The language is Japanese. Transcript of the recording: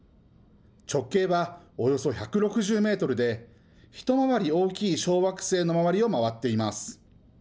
直径はおよそ１６０メートルで、一回り大きい小惑星の周りを回っています。